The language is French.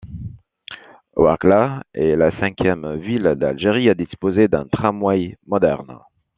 Ouargla est la cinquième ville d'Algérie à disposer d'un tramway moderne.